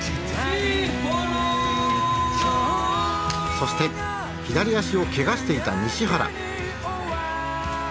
そして左足をけがしていた西原。